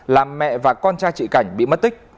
làm mẹ và con trai chị cảnh bị mất tích